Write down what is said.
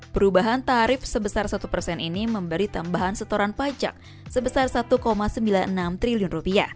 perubahan tarif sebesar satu persen ini memberi tambahan setoran pajak sebesar rp satu sembilan puluh enam triliun